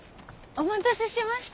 お待たせしました。